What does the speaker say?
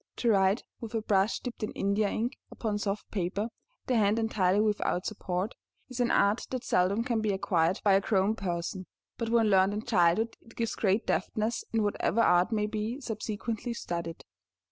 To write, with a brush dipped in India ink, upon soft paper, the hand entirely without support, is an art that seldom can be acquired by a grown person, but when learned in childhood it gives great deftness in whatever other art may be subsequently studied.